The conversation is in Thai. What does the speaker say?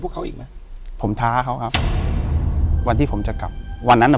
เค้าทะเลาะกับแฟน